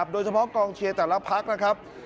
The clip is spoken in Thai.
โดยเฉพาะกองเชียร์แต่ละพักนะครับ